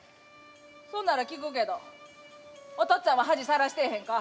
そんなら聞くけどおとっつぁんは恥さらしてへんか？